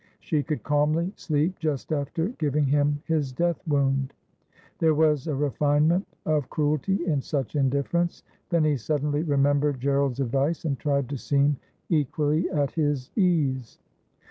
She could calmly sleep just after giving him his death wound. There was a refinement of cruelty in such indifference. Then he suddenly remembered Gerald's advice, and tried to seem equally at his ease.